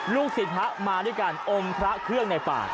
ศิษย์พระมาด้วยกันองค์พระเครื่องในป่า